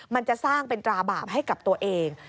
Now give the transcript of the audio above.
มันจะสร้างเป็นตราบาปให้กับตัวเอง